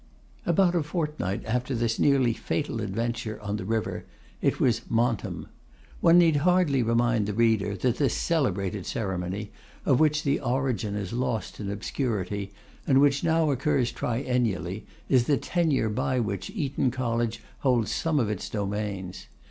About a fortnight after this nearly fatal adventure on the river, it was Montem. One need hardly remind the reader that this celebrated ceremony, of which the origin is lost in obscurity, and which now occurs triennially, is the tenure by which Eton College holds some of its domains.